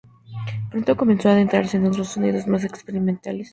Pronto comenzó a adentrarse en otros sonidos más experimentales.